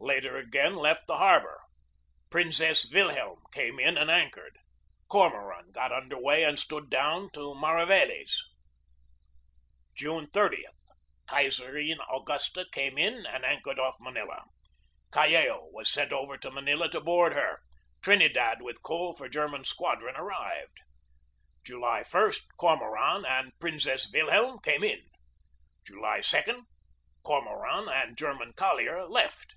Later again left the harbor. Prinze ss Wilhelm came in and anchored. Cormoran got under way and stood down to Mari veles. "June 30 Kaiserin Augusta came in and an chored off Manila. Callao was sent over to Manila to board her. Trinidad with coal for German Squad ron arrived. "July i Cormoran and Prinzess Wilhelm came in. "July 2 Cormoran and German collier left.